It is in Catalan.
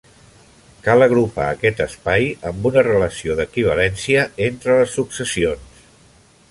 Cal agrupar aquest espai amb una relació d'equivalència entre les successions.